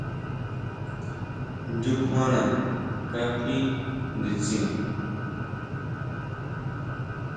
¿ʼNchukjuana kají nditsin?